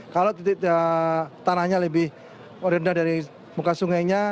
kalau titik tanahnya lebih rendah dari muka sungainya